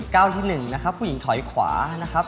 ๑เก้าที่๑ผู้หญิงถอยขวานะครับ